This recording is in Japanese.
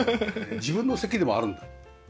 自分の席でもあるんだ。